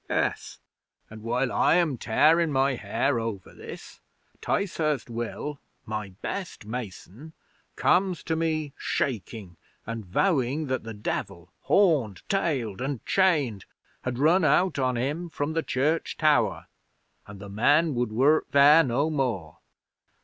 'Yes. And while I am tearing my hair over this, Ticehurst Will, my best mason, comes to me shaking, and vowing that the Devil, horned, tailed, and chained, has run out on him from the church tower, and the men would work there no more.